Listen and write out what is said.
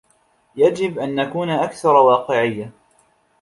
يجب أن نكون أكثر واقعيّة..